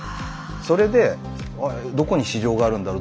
それでどこに市場があるんだろう